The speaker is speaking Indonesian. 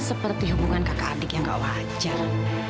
seperti hubungan kakak adik yang gak wajar